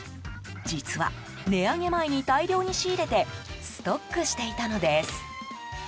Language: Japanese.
実は、値上げ前に大量に仕入れてストックしていたのです。